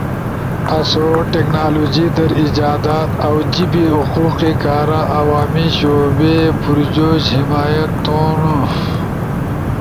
آسو ٹیکنالوجی در ایجادات اؤ جیبے حقوق کارا عوامی شعبے پرجوش حمایت تھون